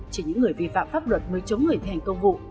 chỉ những người vi phạm pháp luật mới chống người thi hành công vụ